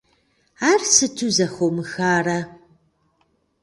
Ар сыту зэхомыхарэ?